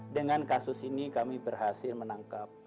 dengan kasus ini kami berhasil menangkap